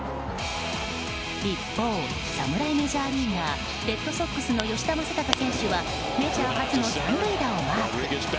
一方、侍メジャーリーガーレッドソックスの吉田正尚選手はメジャー初の三塁打をマーク。